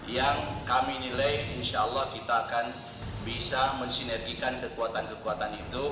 yang kami nilai insya allah kita akan bisa mensinergikan kekuatan kekuatan itu